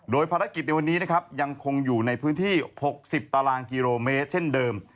โดยภารกิจในวันนี้นะครับยังคงอยู่ในพื้นที่๖๐ตารางกิโลเมตรเช่นเดิม